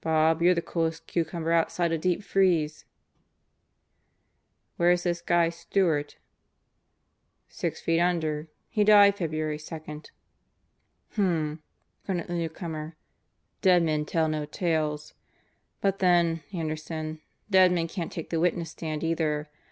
"Bob, you're the coolest cucumber outside a deep freeze." "Where's this guy, Stewart?" "Six feet under. He died February 2." "Hmmm," grunted the newcomer. "Dead men tell no tales. But then, Anderson, dead men can't take the witness stand either.